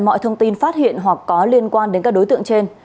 mọi thông tin phát hiện hoặc có liên quan đến các đối tượng trên